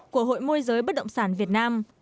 của hội môi giới bất động sản việt nam